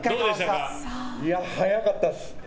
速かったです。